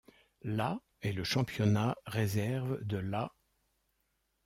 La ' est le championnat réserve de la '.